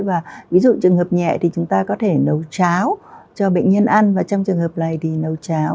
và ví dụ trường hợp nhẹ thì chúng ta có thể nấu cháo cho bệnh nhân ăn và trong trường hợp này thì nấu cháo